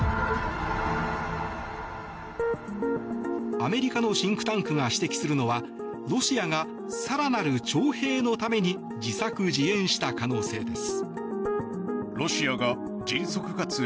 アメリカのシンクタンクが指摘するのはロシアが更なる徴兵のために自作自演した可能性です。